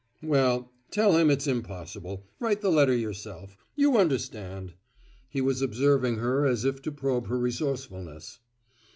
Well, tell him it's impossible. Write the letter yourself. You understand!" He was observing her as if to probe her resourcefulness.